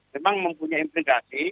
memang mempunyai implikasi